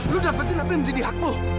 lu dapetin apa yang jadi hak lo